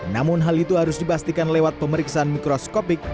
namun hal itu harus dibastikan lewat pemeriksaan mikroskopik